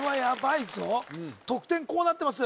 得点こうなってます